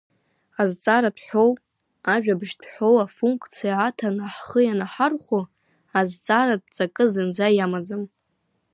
Азҵааратә ҳәоу ажәабжьтә ҳәоу афунқциа аҭаны ҳхы ианаҳархәо, азҵааратә ҵакы зынӡа иамаӡам…